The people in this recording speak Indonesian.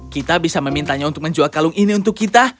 kita bisa memintanya untuk menjual kalung ini untuk kita